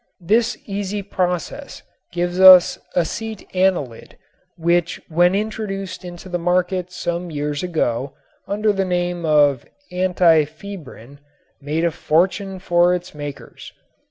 This easy process gives us acetanilid, which when introduced into the market some years ago under the name of "antifebrin" made a fortune for its makers.